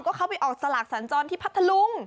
ก็เข้าไปออกสลากสัญจรที่พัทธลุง